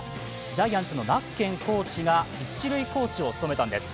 ジャイアンツのナッケンコーチが１塁コーチを務めたんです。